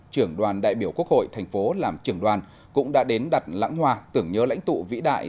trưởng đoàn đại biểu quốc hội thành phố làm trưởng đoàn cũng đã đến đặt lãng hoa tưởng nhớ lãnh tụ vĩ đại